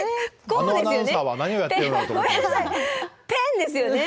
ペンですよね。